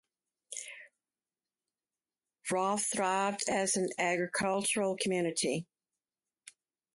Roff thrived as an agricultural community.